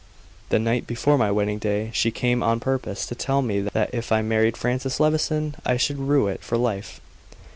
The night before my wedding day, she came on purpose to tell me that if I married Francis Levison I should rue it for life.